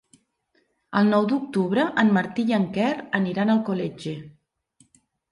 El nou d'octubre en Martí i en Quer aniran a Alcoletge.